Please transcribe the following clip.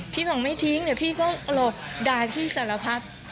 พี่บอกไม่ทิ้งเดี๋ยวพี่ก็หลบด่าพี่สารพัด